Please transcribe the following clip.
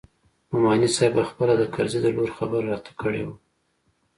نعماني صاحب پخپله د کرزي د لور خبره راته کړې وه.